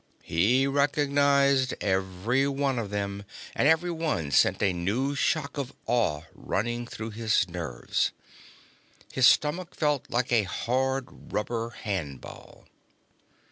He recognized every one of them, and every one sent a new shock of awe running through his nerves. His stomach felt like a hard rubber handball.